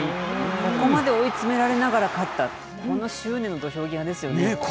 ここまで追い詰められながら勝った、この執念の土俵際ですよね。